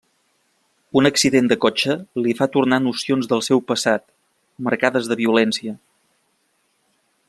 Un accident de cotxe li fa tornar nocions del seu passat, marcades de violència.